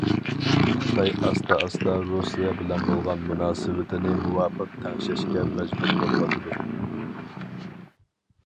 خىتاي ئاستا-ئاستا رۇسىيە بىلەن بولغان مۇناسىۋىتىنى مۇۋاپىق تەڭشەشكە مەجبۇر بولۇۋاتىدۇ.